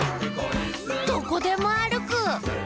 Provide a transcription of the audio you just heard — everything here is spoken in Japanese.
「どこでもあるく！」